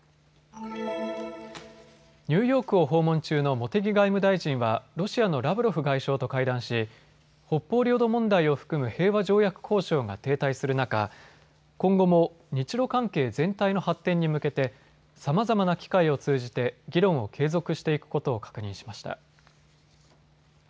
ニューヨークを訪問中の茂木外務大臣はロシアのラブロフ外相と会談し、北方領土問題を含む平和条約交渉が停滞する中、今後も日ロ関係全体の発展に向けてさまざまな機会を通じて議論を継続していくことを確認しました。